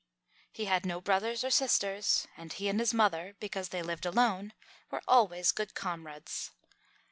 He had no brothers or sisters, and he and his mother, because they lived alone, were always good comrades.